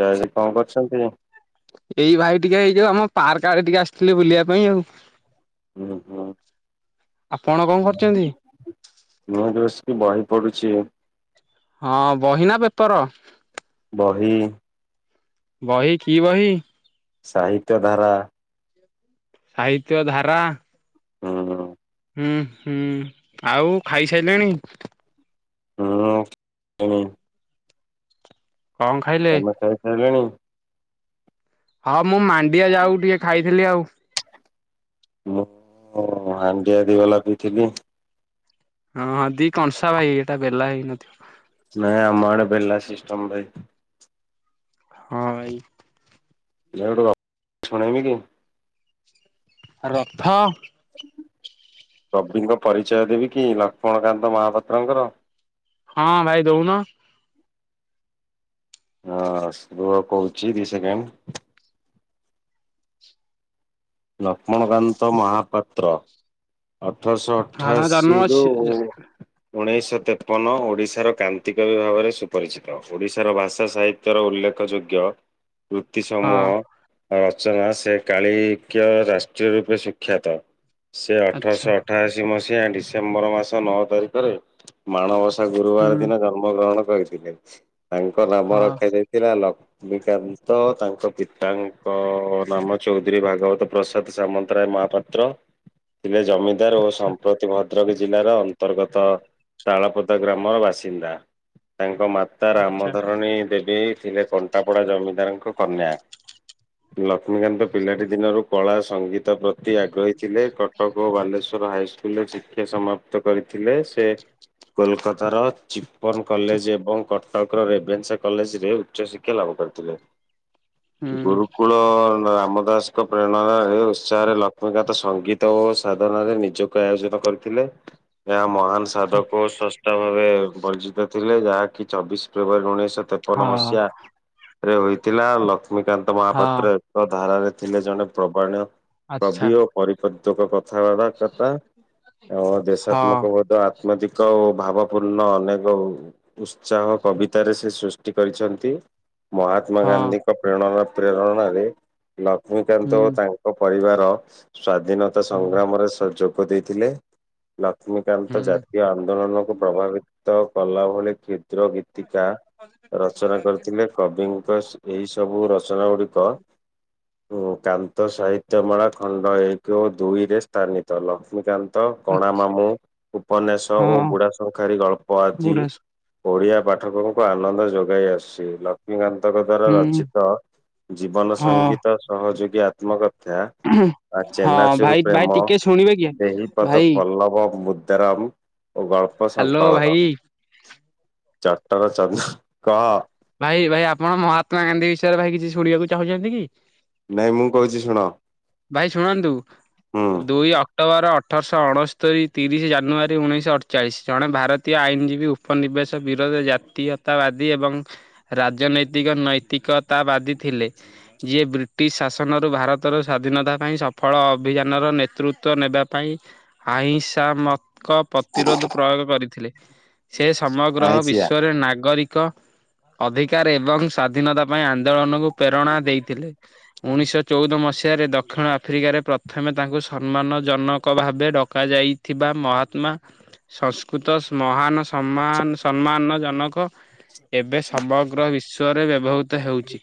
ଯଜ୍ କଣ କରୁଚନ୍ତି? ଏଇ ଭାଇ ଟିକେ ଏଇ ଯୋଉ ଆମ ପାର୍କ ଆଡେ ଟିକେ ଆସିଥିଲି ବୁଲିବା ପାଇଁ ଆଉ। ହୁଁ ହୁଁ। ଆପଣ କଣ କରୁଚନ୍ତି? ମୁଁ ପାଏଠି ବସିକି ବହି ପଢୁଛି। ହଁ ବହି ନା ପେପର? ବହି। ବହି କି ବହି? ସାହିତ୍ୟ ଧାରା। ସାହିତ୍ୟ ଧାରା। ହୁଁ ହୁଁ। ହୁଁ ହୁଁ ଆଉ ଖାଇସାଇଲେଣି? ହୁଁ ହୁଁ ହୁଁ। କଣ ଖାଇଲେ? ତମେ ଖାଇସାରିଲଣି? ହଁ ମୁଁ ମାଣ୍ଡିଆ ଯାଉ ଟିକେ ଖାଇଥିଲି ଆଉ। ମୁଁ ହାଣ୍ଡିଆ ଦିବେଲା ପିଇଥିଲି। ହଁ ହଁ ଦି କଂସା ଭାଇ ଏଇଟା ବେଲା ହେଇନଥିବ। ନାଇଁ ଆମ ଆଡ ବେଲା ସିଷ୍ଟମ୍ ଭାଇ। ହଁ ହେଇଥିବ‌। [unintelligible] ରଥ। କବିଙ୍କ ପରିଚୟ ଦେବି କି ଲକ୍ଷ୍ମଣକାନ୍ତ ମହାପାତ୍ରଙ୍କର। ହଁ ଭାଇ ଦୋଉନ? ହଁ ସୁଣ କୋହୁଚି ଦି ସେକେଣ୍ଡ୍। ଲକ୍ଷ୍ମଣକାନ୍ତ ମହାପାତ୍ର। ଅଠରଶହ ହଁ ତାଙ୍କ ଜନ୍ମ ଅଠାଅଶୀରୁୁ ଅଛି ଉଣେଇଶହ ତେପନ ଓଡ଼ିଶାର କାନ୍ତି କବି ଭାବରେ ସୁପରିଚିତ ଓଡ଼ିଶାର ଭାଷା ସାହି ତାର ଉଲ୍ଲେଖ ଯୋଗ୍ୟ ବୃତ୍ତି ହଁ ସମୂହ। ରଚନା ସେ କାଳିକ୍ୟ ରାଷ୍ଟ୍ରୀୟ ରୂପେ ସୁଖ୍ୟାତ ସେ ଆଚ୍ଛା ଅଠରଶହ ଅଠାଅଶୀ ମସିହା ଡିସେମ୍ବର ମାସ ନଅ ତାରିଖରେ ମାଣବସା ଗୁରୁବାର ହୁଁ ଦିନ ଜନ୍ମ ଗ୍ରହଣ କରିଥିଲେ ତାଙ୍କ ନାମ ହଁ। ରଖା ଯାଇଥିଲା ଲ ମିକାନ୍ତ ତାଙ୍କ ପିତାଙ୍କ ନାମ ଚୌଧୁରୀ ଭାଗବତ ପ୍ରସାଦ ସାମନ୍ତ। ଅନ୍ତରାଏ ମହାପାତ୍ର ଥିଲେ ଜମିଦାର ଓ ସମ୍ପ୍ର ଭଦ୍ରଖ ଜିଲ୍ଲାର ଅନ୍ତର୍ଗତ ତାଳପଦା ଗ୍ରାମର ବାସିନ୍ଦା ତାଙ୍କ ମା ତା ଆଚ୍ଛା ରାମଧରଣୀ ଦେବୀ ଥିଲେ କଣ୍ଟାପଡ଼ା ଜମିଦାରଙ୍କ କନ୍ୟା। ଲକ୍ଷ୍ମୀକାନ୍ତ ପିଲାଟି ଦିନରୁ କଳା ସଂଙ୍ଗୀତ ପ୍ରତି ଆଗ୍ରହୀ ଥିଲେ କ ଟଗ ଓ ବାଲେଶ୍ଵର ହାଇସ୍କୁଲରେ ଶିକ୍ଷା ସମାପ୍ତ କରିଥିଲେ ସେ କୋଲ୍କେତାର ଚିପ୍ ପନ୍ କଲେଜେ ଏବଂ କଟକ ରେଭେନ୍ସା କଲେଜେରେ ଉଚ୍ଚଶିକ୍ଷା ଲାଭ କରିଥିଲେ। ହୁଁ ଗୁରୁକୁଳ ରାମ ଦାସଙ୍କ ପ୍ରେରଣାରେ ରହି ଉତ୍ସାହରେ ଲକ୍ଷ୍ମୀକାନ୍ତ ସଙ୍ଗୀତି୍ ସଙ୍ଗୀତଓ ସାଧନାରେ ନିଜକୁ ଆୟୋଜନ କରିଥିଲେ ଏହା ମହାନ୍ ସାଧକ ଓ ସସ୍ ସନ୍ଥ ଭାବେ ବର୍ଜିତ ଥିଲେ ଯାହାକି ଚବିଶ ଫେବୃୟାରୀ ଉଣେଇଶହ ତେପନ ହଁ ମସିହା ରେ ହୋଇଥିଲା ଲକ୍ଷ୍ମୀକାନ୍ତ ହଁ ମହାପାତ୍ର ଏକ ଧାରାରେ ଥିଲେ ଜଣେ ପ୍ରବଣୀୟ ଆଚ୍ଛା କବି ଓ ପରିପତ୍ୱକ କଥାବାର୍ତ୍ତା କଥା ଓ ହଁ ଦେଶାତ୍ମକ ବୋଧ ଆ ଧ୍ୟାତ୍ମିକ ଓ ଭାବପୂର୍ଣ୍ଣ ଅନେକ ଓ ଉତ୍ସାହ କବିତାରେ ସେ ସୃଷ୍ଟି କରିଚନ୍ତି ମହାତ୍ମା ହଁ ଗାନ୍ଧୀଙ୍କ ପ୍ରେରଣ ପ୍ରେରଣାରେ ଲକ୍ଷ୍ମୀକାନ୍ତ ଓ ହୁଁ ତାଙ୍କ ପରିବାର ସ୍ୱାଧିନତା ସଂଗ୍ରାମରେ ସେ ଯୋଗ ଦେଇଥିଲେ। ଲକ୍ଷ୍ମୀକାନ୍ତ ହୁଁ। ଜାତୀୟ ଆନ୍ଦୋଳନକୁ ପ୍ରଭାବିତ କଲା ଭଳି କି ଚିତ୍ର କଣ ଗୀତିକା ଏମିତି କରିଦେଲେ ଟାଇମ୍ ଟା ରଚନା ଯାଉଚି। କରିଥିଲେ କବିଙ୍କସେ ଏଇ ସବୁ ରଚନା ଗୁଡିକ ଓ କାନ୍ତ ସାହିତ୍ୟମାଳା ଖଣ୍ଡ ଏକ ବା ଦୁଇରେ ସ୍ଥାନିତ ଲକ୍ଷ୍ମୀକାନ୍ତ ନ୍ତ କଣା ମାମୁଁ ଉପନ୍ୟାସ ଓ ହଁ ବୁଢା ଶଙ୍ଖାରୀ ଗଳ୍ପ ଆଜି ବୁଢା ଓଡିଆ ପାଠକଙ୍କୁ ଆନନ୍ଦ ଯୋଗାଇ ଆସିଛି ଲ ଲକ୍ଷ୍ମୀକାନ୍ତଙ୍କ ଦ୍ଵାରା ହୁଁ ରଚିତ ଜୀବନ ହଁ ସଙ୍ଗୀତ ସହଯୋଗୀ ଆତ୍ମକଥା ଆ ହଁ ଚେନାଚୁର ଭାଇ ଭାଇ ପ୍ରେମ ଟିକେ ଶୁଣିବେ କି ଦେହିପଦ ଭାଇ ପଲ୍ଲବ ମୁଦାରାମ୍ ଓ ଗଳ୍ପ ହାଲୋ ସଂଙ୍କଳନ ଭାଇ ଚଟର ଚ କହ ଭାଇ ଭାଇ ଆପଣ ମହାତ୍ମା ଗାନ୍ଧୀ ବିଷୟରେ ଭାଇ କିଛି ଶୁଣିବାକୁ ଚାହୁଁଛନ୍ତି କି? ନାଇଁ ମୁଁ କହୁଚି ଶୁଣ ଭାଇ ଶୁଣନ୍ତୁ ହୁଁ ଦୁଇ ଅକ୍ଟୋବର ଅଠରଶହ ଅଣସ୍ତରି ତିରିଶ ଜାନୁଆରୀ ଉଣେଇଶହ ଅଠ୍ଚାଳିଶ ଜଣେ ଭାରତୀୟ ଆଇନ୍ ଜୀବୀଆଉ ଉପନିବେଶ ବିରୋଧରେ ଜାତୀୟତାବାଦୀ ଏବଂ ରାଜନୈତିକ ନୈତିକତା ବାଦୀ ଥିଲେ। ଯିଏ ବ୍ରିଟିଶ ଶାସନରୁ ଭାରତର ସ୍ଵାଧୀନତା ପାଇଁ ସଫଳ ଅଭିଯାନର ନେତୃତ୍ୱ ନେବା ପାଇଁ ଅହିଁସା ପଥ କ ପ୍ରତିରୋଧ ପ୍ରୟୋଗ କରିଥିଲେ ସେ ସମଗ୍ର ଆଇଁଷିଆ ବିଶ୍ୱରେ ନାଗରିକ ଅଧିକାର ଏବଂ ସ୍ଵାଧୀନତା ପାଇଁ ଆନ୍ଦୋଳନକୁ ପେରଣା ଦେଇଥିଲେ। ଉଣିଶ ଚଉଦ ମସିହାରେ ଦକ୍ଷିଣ ଆଫ୍ରିକାରେ ପ୍ରଥମେ ତାଙ୍କୁ ସମ୍ମାନଜନକ ଭାବେ ଡକାଯାଇ ଥିବା ମହାତ୍ମା ସଂସ୍କୃତ ମହାନ ସମ୍ମାନ ସମ୍ମାନଜନକ ଏବେ ସମଗ୍ର ବିଶ୍ଵରେ ବ୍ୟବହୃତ ହେଉଛି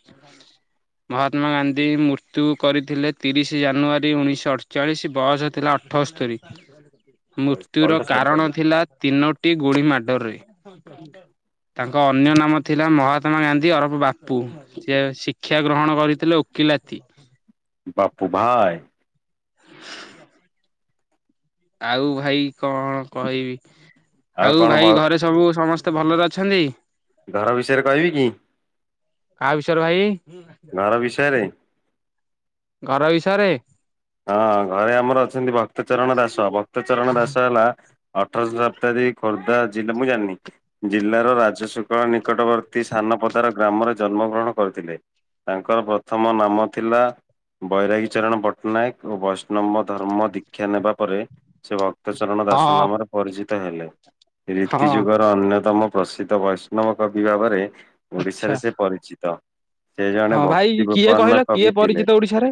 ମହାତ୍ମା ଗାନ୍ଧୀ ମୃତ୍ୟୁ କରିଥିଲେ ତିରିଶ ଜାନୁଆରୀ ଉଣେଇଶହ ଅଠଚାଳିଶ ବୟସ ଥିଲା ଅଠସ୍ତୋରୀ। ମୃତ୍ୟୁର କାରଣ ଥିଲା ତିନୋଟି ଗୁଳି ମାଡରେ ତାଙ୍କ ଅନ୍ୟ ନାମ ଥିଲା ମହାତ୍ମା ଗାନ୍ଧୀ ଅରଫ ବାପୁ ସେ ଶିକ୍ଷା ଗ୍ରହଣ କରିଥିଲେ ଓକିଲାତି ବାପୁ ଭାଏ ଆଉ ଭାଇ କଣ କହିବି ଆଉ କଣ ଭ ଭାଇ ଘରେ ସବୁ ସମସ୍ତ ଭଲରେ ଅଛନ୍ତି। ଘର ବିଷୟରେ କହିବି କି? କାହା ବିଷୟରେ ଭାଇ ଘର ବିଷୟରେ ଘର ବିଷୟରେ ହଁ ଘରେ ଆମର ଅଛନ୍ତି ଭକ୍ତ ଚରଣ ଦାସ ଭକ୍ତ ଚରଣ ଦାସ ହେଲା ଅଠରଶ ଶତାଦୀ ଖୋର୍ଦ୍ଧା ଜିଲ୍ଲା, ମୁଁ ଜାଣିନି ଜିଲ୍ଲାର ରାଜଶୁକ୍ଳ ନିକଟବର୍ତ୍ତୀ ସାନପଦାର ଗ୍ରାମରେ ଜନ୍ମଗ୍ରହଣ କରିଥିଲେ। ତାଙ୍କର ପ୍ରଥମ ନାଁମ ଥିଲା ବୈରାଗୀ ଚରଣ ପଟ୍ଟ ନାୟକ ଓ ବୈଷ୍ଣବ ଧର୍ମ ଦୀକ୍ଷା ନେବା ପରେ ସେ ଭକ୍ତ ଚରଣ ଦାସ ହଁ ନାମରେ ପରିଚିତ ହେଲେ ହଁ ରୀତି ଯୁଗର ଅନ୍ୟତମ ପ୍ରସିଦ୍ଧ ବୈଷ୍ଣବ କବି ଭାବରେ। ଆଚ୍ଛା ଓଡିଶାରେ ସେ ପରିଚିତ ସେ ଜଣେ ହଁ ଭାଇ ଭକ୍ତି କିଏ କହିଲ ବିପନ୍ନ କିଏ କବି ଥିଲେ। ପରିଚିତ ଓଡିଶାରେ?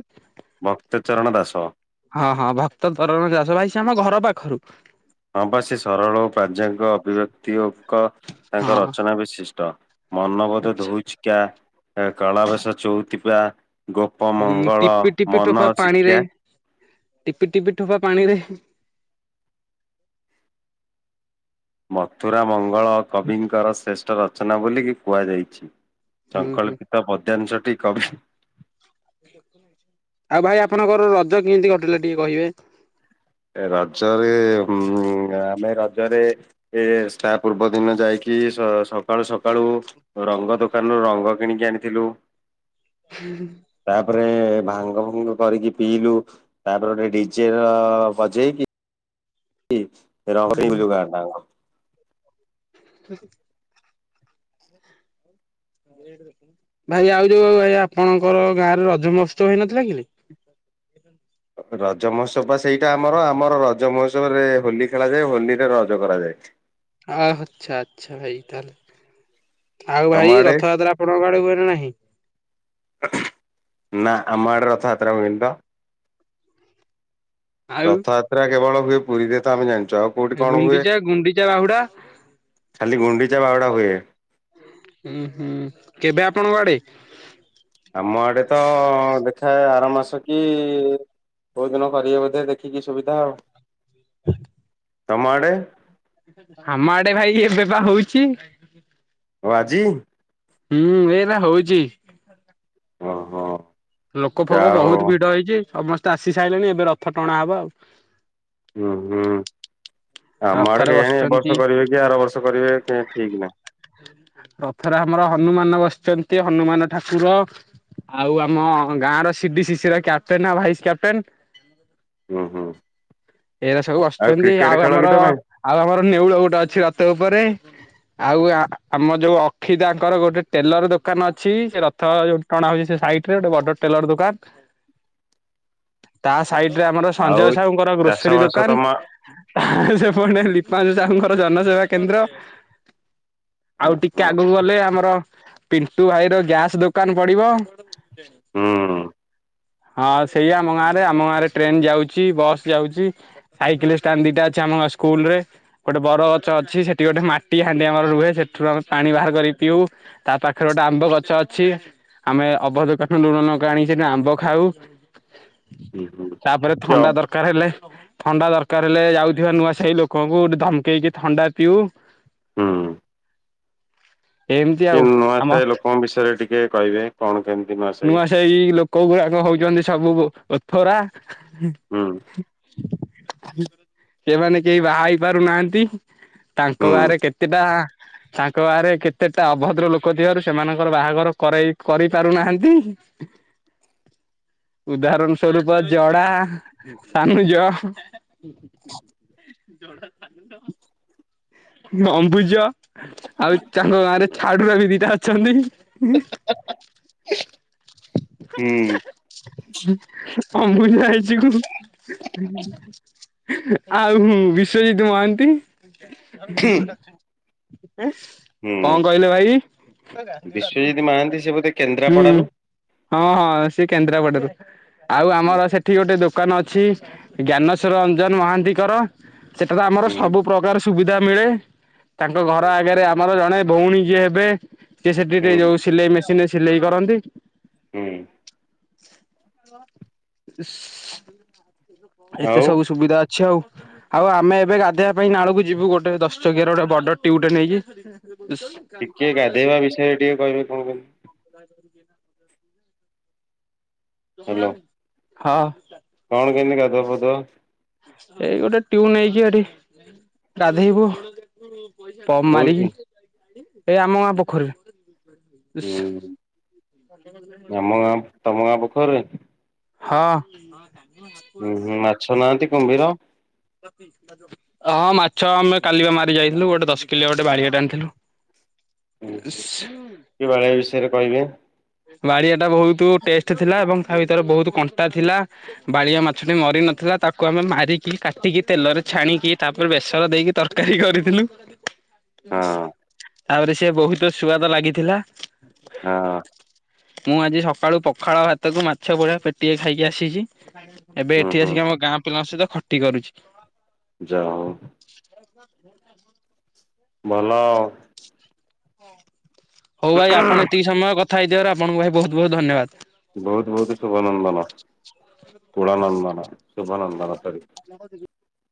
ଭକ୍ତ ଚରଣଦାସ। ହଁ ହଁ ଭକ୍ତ ଚରଣ ଦାସ ଭାଇ ସେ ଆମ ଘର ପାଖରୁ। ଆବାସୀ ସରଳ ଓ ପ୍ରଜ୍ୟାଙ୍କ ଅଭିବ୍ୟକ୍ତିଙ୍କ ତାଙ୍କ ହଁ ରଚନା ବିଶିଷ୍ଟ। ମନବୋଧ ଆଚ୍ଛା। ଧଉଚିକା ତା କଳା ରସ ଚଉଥିକା। ଗୋପ ହୁଁ ମଙ୍ଗଳ ଟିପି ଟିପି ମନ ଠୋପା ପାଣିରେ ଚିକ୍ଷା। ଟିପି ଟିପି ଠୋପା ପାଣି ରେ। ମଥୁରା ମଙ୍ଗଳ ହୁଁ କବିଙ୍କର ଶ୍ରେଷ୍ଠ ରଚନା ବୋଲିକି କୁହାଯାଇଚି। ହୁଁ ସଂକଳ୍ପିତ ପଦ୍ୟାଂଶଟି କବି ଆଉ ଭାଇ ଆପଣଙ୍କର ରଜ କେମିତି କଟିଲା ଟିକେ କହିବେ? ରଜରେ ଆମେ ରଜରେ ଏ ଷ୍ଟା ପୂର୍ବ ଦିନ ଯାଇକି ସକାଳୁ ସକାଳୁ ରଙ୍ଗ ଦୋକାନରୁୁ ରଙ୍ଗ କିଣିକି ଆଣିଥିଲୁ। ହୁଁ ତାପରେ ଭାଙ୍ଗ ଫାଙ୍ଗ କରିକି ପିଇଲୁ ତାପରେ ଗୋଟେ ଡିଜେ ବଜେଇକି କି ରଙ୍ଗ ଖେଳିଲୁ ବା ବା ବା। ହଁ ହ ଭାଇ ଆଉ ଯୋଉ ଭାଇ ଆପଣଙ୍କର ଗାଁ ରେ ରଜ ମହୋତ୍ସବ ହେଇନଥିଲା କି? ରଜ ମହୋତ୍ସବ ବା ସେଇଟା ଆମର ଆମର ରଜ ମହୋତ୍ସବରେ ହୋଲି ଖେଳାଯାଏ ହୋଲିରେ ରଜ କରାଯାଏ। ଆ ଆଚ୍ଛା ଆଚ୍ଛା ଭାଇ ତାହେଲେ। ଆଉ ତମ ଭାଇ ଆଡେ ରଥଯାତ୍ରା ଆପଣଙ୍କ ଆଡେ ହୁଏନା ନାହିଁ। ନାଁ ଆମ ଆଡେ ରଥଯାତ୍ରା ହୁଏନି ତ। ଆଉ ରଥଯାତ୍ରା କେବଳ ହୁଏ ପୁରୀରେ ତ ଆମେ ଜାଣିଚୁ ଆଉ। କୋଉଠି କଣ ହୁଏ ଗୁଣ୍ଡିଚା ଗୁଣ୍ଡିଚା ବାହୁଡା ଖାଲି ଗୁଣ୍ଡିଚା ବାହୁଡା ହୁଏ। ହୁଁ ହୁଁ କେବେ ଆପଣଙ୍କ ଆଡେ? ଆମ ଆଡେ ତ ଦେଖାଏ ଆର ମାସ କି କୋଉଦିନ କରିବେ ବୋଧେ ଦେଖିକି ସୁବିଧା ଆଉ। ହ ତମ ଆଡେ? ଆମ ଆଡେ ଭାଇ ଏବେ ବା ହଉଚି। ଓ ଆଜି ହୁଁ ଏଇନା ହଉଚି। ଓହୋ। ଲୋକ ଫୋକ ଯାହା ହଉ ବହୁତ୍ ଭିଡ ହେଇଚି ସମସ୍ତେ ଆସି ସାରିଲେଣି ଏବେ ରଥ ଟଣା ହବ ଆଉ। ହୁଁ ହୁଁ ଆମ ଆଡ଼େ ରଥରେ କେଜାଣି ଏ ବସିଛନ୍ତି ବର୍ଷ କରିବେ କି ଆର ବର୍ଷ କରିବେ ଠିକ୍ ନାହିଁ। ରଥରେ ଆମର ହନୁମାନ ବସିଛନ୍ତି ହନୁମାନ ଠାକୁର। ଆଉ ଆମ ଗାଁ ର ସିଡି ସି ସ ର କ୍ୟାପ୍ଟେନ ଭାଇସ୍ କ୍ୟାପଟେନ୍। ହୁଁ ହୁଁ ଏଇରା ସବୁ ବସିଚନ୍ତି କ୍ରିକେଟ ଆଉ ଆ ଖେଳ କି ତମେ? ଆଉ ଆମର ନେଉଳ ଗୋଟେ ଅଛି ରତ ଉପରେ। ଆଉ ଆମ ଯୋଉ ଅକ୍ଷି ଦାଙ୍କର ଗୋଟେ ଟେଲର ଦୋକାନ ଅଛି ସେ ରଥ ଯୋଉ ଟଣା ହଉଛି ସେ ସାଇଟ ରେ ଗୋଟେ ବଡ ଟେଲର ଦୋକାନ। [inaudible] ତା ସାଇଟ ରେ ଆମର ଆଉ ସଞ୍ଜୟ ସାହୁଙ୍କର ଚାଷ ଗ୍ରୋସରୀ ବାସ ଦୋକାନ। ତମ ସେପଟେ ଲିପାସୁ ସାହୁଙ୍କର ଜନସେବା କେନ୍ଦ୍ର। ଆଉ ଟିକେ ହଁ ଆଗକୁ ଗଲେ ଆମର ପିଣ୍ଟୁ ଭାଇ ର ଗ୍ୟାସ ଦୋକାନ ପଡିବ। ହୁଁ। ହଁ, ସେଇ ଆମ ଗାଁରେ ଆମ ଗାଁ ରେ ଟ୍ରେନ୍ ଯାଉଛି ବସ୍ ଯାଉଛି। ସାଇକେଲ୍ ଷ୍ଟାଣ୍ଡ ଦିଟା ଅଛି ଆମ ଗାଁ ସ୍କୁଲ ରେ। ଗୋଟେ ବର ଗଛ ଅଛି ସେଠି ଗୋଟେ ମାଟି ହାଣ୍ଡି ଆମର ରୁହେ ସେଥିରୁ ଆମେ ପାଣି ବାହାର କରି ପିଉ। ତା ପାଖରେ ଗୋଟେ ଆମ୍ବ ଗଛ ଅଛି ଆମେ ଅଭଦ କାଠୁରୁ ଲୁଣ ଲଙ୍କା ଆଣି ସେ ଆମ୍ବ ଖାଉ ହୁଁ ହୁଁ ତାପରେ କି ଅ ଥଣ୍ଡା ଦର ଦରକାର ହେଲେ ଥଣ୍ଡା ଦରକାର ହେଲେ ଯାଉଥିବା ନୂଆ ସାହି ଲୋକଙ୍କଠୁ ଧମକେଇକି ଥଣ୍ଡା ପିଉ। ହୁଁ। ଏମିତି କି ଆଉ ନୂଆ ଆମ ସାହି ଲୋକଙ୍କ ବିଷୟରେ ଟିକେ କହିବେ କଣ କେମିତି ନୂଆ ସାହି ଲୋକ କୋଉ ଗୁଡାକ ହଉଛନ୍ତି ସବୁ ଓଥରା। ହୁଁ। ସେମାନେ କେହି ବାହା ହେଇ ପାରୁନାହାନ୍ତି। ହୁଁ ତାଙ୍କ ଗାଁ ରେ କେତେଟା ତାଙ୍କ ଗାଁ ରେ କେତେଟା ଅଭଦ୍ର ଲୋକ ଥିବାରୁ ସେମାନଙ୍କର ବାହାଘର କରାଇ କରି ପାରୁନାହାନ୍ତି। ଉଦାହରଣ ସ୍ୱରୂପ ଜଡା, ସାନୁଜ ଜଡା [unintelligible] ଅମ୍ବୁଜ ଆଉ ତାଙ୍କ ଗାଁରେ ଛାଡୁର ବି ଦିଟା ଅଛନ୍ତି [unintelligible] [unintelligible] ହୁଁ। ଅମ୍ବୁଜ ଭାଇ ଚିକୁ [unintelligible] [unintelligible] ଆଉ ବିଶ୍ଵଜିତ୍ ମହାନ୍ତି। ହୁଁ କଣ କହିଲେ ଭାଇ ବିଶ୍ୱଜିତ ମହାନ୍ତି ସେ ବୋଧେ ହୁଁ କେନ୍ଦ୍ରାପଡାରୁ? [unintelligible] ହଁ, ହଁ ସେ କେନ୍ଦ୍ରାପଡାରୁ ଆଉ ହୁଁ ଆମର ସେ ସେଠି ଗୋଟେ ଦୋକାନ ଅଛି ଜ୍ଞାନଶ୍ ରଞ୍ଜନ ମହାନ୍ତିଙ୍କର ସେଟା ତ ଆମର ହୁଁ ସବୁ ପ୍ରକାର ସୁବିଧା ମିଳେ ତାଙ୍କ ଘର ଆଗରେ ଆମର ଜଣେ ଭଉଣୀ ଯିଏ ହେବେ ସିଏ ସେଠି ଟିକେ ହୁଁ ଯୋଉ ସିଲେଇ ମେସିନରେ ସିଲେଇ କରନ୍ତି। ହୁଁ। [unintelligible] ଏତେ ଆଉ ସବୁ ସୁବିଧା ଅଛି। ଆଛି ଆଉ, ଆଉ ଆମେ ଏବେ ଗାଧୋଇବା ପାଇଁ ନାଳକୁ ଯିବୁ ଗୋଟେ ଦଶ ଚକିଆର ଗୋଟେ ବଡ଼ ଟିଉଟେ ନେଇକି। [unintelligible] ଇସ୍ ଟିକିଏ ଗାଧୋଇବା ବିଷୟରେ ଟିକେ କହିବେ କଣ କହିଲି। [inaudible] ହ୍ୟାଲୋ ସୁମନ୍ ହଁ [unintelligible] କଣ କେମତି ଗାଧୁଆ ପାଧୁଆ? ଏଇ ଗୋଟେ ଟିଉ ନେଇକି ସେଠି ଗାଧେଇବୁ। ପମ୍ ମାରିବି ହଉଛି? ଏଇ ଆମ ଗାଁ ପୋଖରୀରେ। ହୁଁ, ଆମ ଗାଁ ତମ ଗାଁ ପୋଖରୀ ରେ। ହଁ। ତମେ କଚିବନି [unintelligible] ଉୁଁଁ, ହୁଁ ମାଛ ନାହାନ୍ତି, କୁମ୍ଭୀର। [unintelligible] ହଁ ମାଛ ଆମେ କାଲିବା ମାରି ଯାଇଥିଲୁ ଗୋଟେ ଦଶ କିଲିଆ ଗୋଟେ ବାଡ଼ଆଟେ ଆଣିଥିଲୁ। ଇ ସୁ। କିଭଳିଆ ବିଷୟରେ କହିବେ ବାଡିଆ ଟା ବହୁତ୍ ଟେଷ୍ଟ ଥିଲା ଏବଂ ତା ଭିତରେ ବହୁତ୍ କଣ୍ଟା ଥିଲା ବାଳିଆ ମାଛଟି ମରି ନଥିଲା ତାକୁ ଆମେ ମାରିକି କାଟିକି ତେଲରେ ଛାଣିକି ତାପରେ ବେସର ଦେଇକି ତର ତରକାରୀ କରିଥିଲୁ ହଁ ତାପରେ ସେ ବହୁତ ସୁଆଦ ଲାଗିଥିଲା। ହଁ ମୁଁ ଆଜି ସକାଳୁ ପଖାଳ ଭାତକୁ ମାଛ ଭଜା ପେଟିଏ ଖାଇକି ଆସିଛି। ଏବେ ହୁଁ ଏଠି ହୁଁ ଆସିକି ଆମ ଗାଁ ପିଲାଙ୍କ ସହିତ ଖଟି କରୁଛି। ଯା ହଉ [inaudible] ଭଲ ହଉ ଭାଇ ଆପଣ ଏତିକି ସମୟ କଥା ହେଇଥିବାର ଆପଣଙ୍କୁ ଭାଇ ବହୁତ୍ ବହୁତ୍ ଧନ୍ୟବାଦ୍ ବହୁତ୍ ବହୁତ୍ ଶୁଭନନ୍ଦନ କୁଳନନ୍ଦନ ଶୁଭନନ୍ଦନ ସରି ନଥିଲ